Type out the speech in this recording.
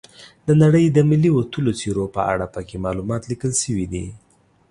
د نړۍ د ملي وتلیو څیرو په اړه پکې معلومات لیکل شوي دي.